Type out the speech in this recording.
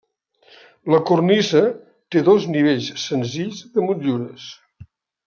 La cornisa té dos nivells senzills de motllures.